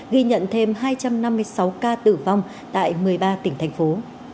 ghi nhận thêm hai trăm năm mươi sáu ca tử vong tại một mươi ba tỉnh thành phố